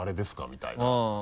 みたいな。